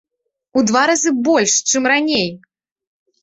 У два разы больш, чым раней!